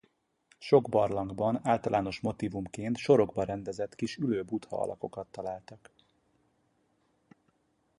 Sok barlangban általános motívumként sorokba rendezett kis ülő buddha alakokat találtak.